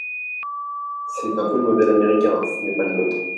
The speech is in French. C’est un peu le modèle américain, ce n’est pas le nôtre.